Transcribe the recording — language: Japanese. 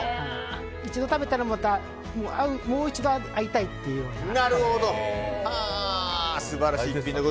一度食べたらもう一度会いたいっていうような。